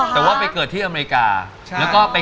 แต่ว่าไปเกิดที่อเมริกา